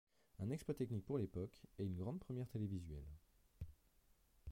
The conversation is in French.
Un exploit technique pour l'époque et une grande première télévisuelle.